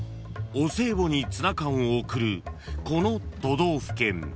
［お歳暮にツナ缶を贈るこの都道府県］